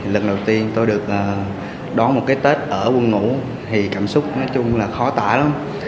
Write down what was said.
lần đầu tiên tôi được đón một cái tết ở quân ngũ thì cảm xúc nói chung là khó tả lắm